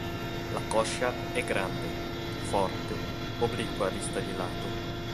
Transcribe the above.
La coscia è grande, forte, obliqua vista di lato.